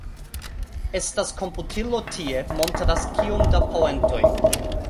Estas komputilo tie montras kiom da poentoj.